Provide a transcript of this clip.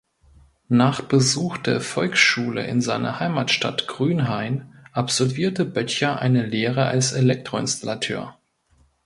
Nach Besuch der Volksschule in seiner Heimatstadt Grünhain absolvierte Böttcher eine Lehre als Elektroinstallateur.